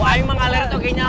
oh aing mengalir tuh kayaknya